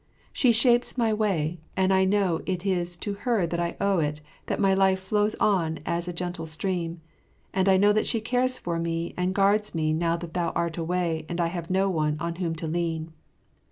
She shapes my way, and I know it is to her I owe it that my life flows on as a gentle stream, and I know that she cares for me and guards me now that thou art away and I have no one on whom to lean.